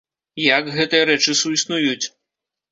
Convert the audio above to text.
Як гэтыя рэчы суіснуюць?